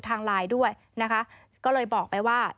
ทางไลน์ด้วยนะคะก็เลยบอกไปว่า